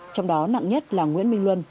trong đó nặng nhất là nguyễn minh luân